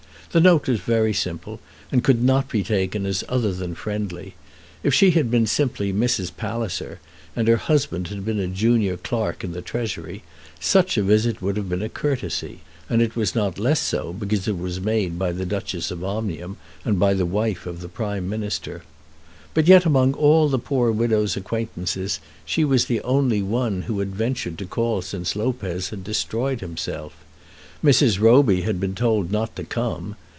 The note was very simple, and could not be taken as other than friendly. If she had been simply Mrs. Palliser, and her husband had been a junior clerk in the Treasury, such a visit would have been a courtesy; and it was not less so because it was made by the Duchess of Omnium and by the wife of the Prime Minister. But yet among all the poor widow's acquaintances she was the only one who had ventured to call since Lopez had destroyed himself. Mrs. Roby had been told not to come.